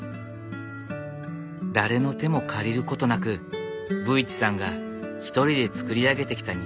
誰の手も借りることなく武市さんが一人で造り上げてきた庭。